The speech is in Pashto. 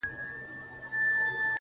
د ژوند په دغه مشالونو کي به ځان ووينم